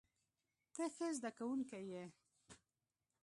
ته ښه زده کوونکی یې.